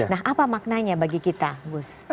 nah apa maknanya bagi kita gus